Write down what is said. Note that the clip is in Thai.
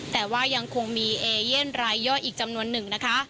แต่ว่ายังคงมีเอเย่นรายย่อยอีกจำนวนหนึ่งนะคะ